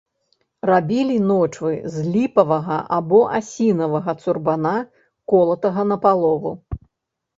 Рабілі ночвы з ліпавага або асінавага цурбана, колатага напалову.